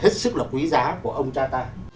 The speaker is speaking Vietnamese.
chứ là quý giá của ông cha ta